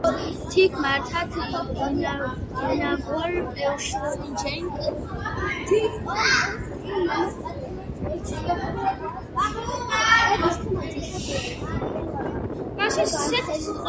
თიქ მაართათ ინარღჷ პეულიშ მეტება, მარა უკულ კინ აკიკოროფჷ ქომოლობა.